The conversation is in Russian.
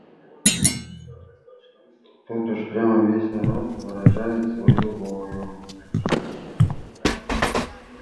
Тут уж прямо весь народ выражает свою волю.